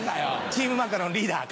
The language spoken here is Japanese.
チームマカロンリーダー